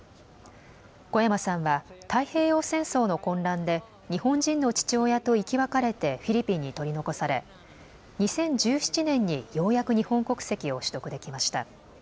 小山さんは太平洋戦争の混乱で日本人の父親と生き別れてフィリピンに取り残され２０１７年にようやく日本国籍を取得できました。